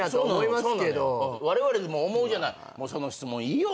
われわれでも思うじゃない「もうその質問いいよ」